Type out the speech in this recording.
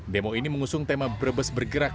demo ini mengusung tema brebes bergerak